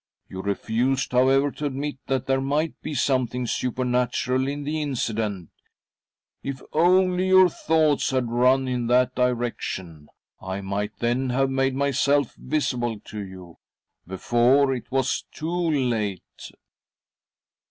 You refused, however, to admit that there might be something supernatural in the incident. If only your thoughts h>d run in that direction, I might then have made myself visible to you — before it was too late."